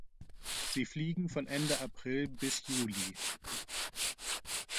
Sie fliegen von Ende April bis Juli.